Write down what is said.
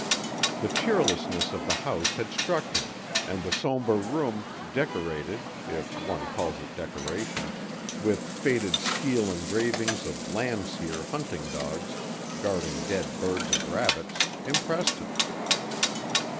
The cheerlessness of the house had struck him and the somber room, decorated, if one calls it decoration, with faded steel engravings of Landseer hunting dogs guarding dead birds and rabbits, impressed him.